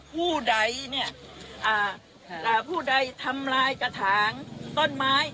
ผู้ใดเนี่ยผู้ใดทำลายกระถางต้นไม้